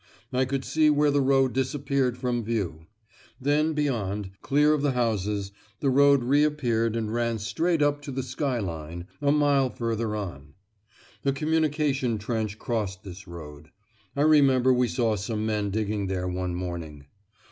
I could see where the road disappeared from view; then beyond, clear of the houses, the road reappeared and ran straight up to the skyline, a mile further on. A communication trench crossed this road: (I remember we saw some men digging there one morning).